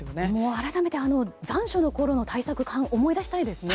改めて残暑のころの対策を思い出したいですね。